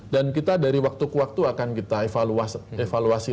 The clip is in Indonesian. dan kita dari waktu ke waktu akan kita evaluasi lagi bi rate ini